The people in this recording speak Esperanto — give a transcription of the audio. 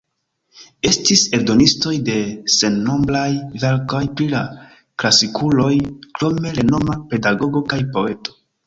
Estis eldonistoj de sennombraj verkoj pri la klasikuloj krom renoma pedagogo kaj poeto.